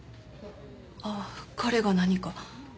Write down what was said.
ああ彼が何か？